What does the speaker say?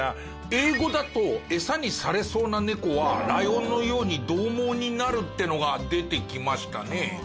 英語だと「餌にされそうな猫はライオンのように獰猛になる」っていうのが出てきましたね。